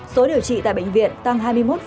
số điều trị tại bệnh viện tăng hai mươi một